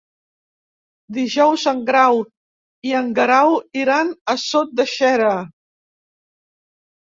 Dijous en Grau i en Guerau iran a Sot de Xera.